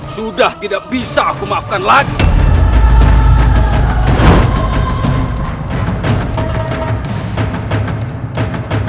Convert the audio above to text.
sudah tidak bisa aku maafkan lagi